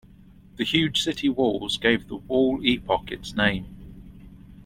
The huge city walls gave the wall epoch its name.